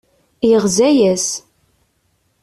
Yeɣza-as.